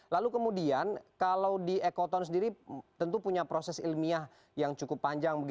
lalu kemudian kalau di ekoton sendiri tentu punya proses ilmiah yang cukup panjang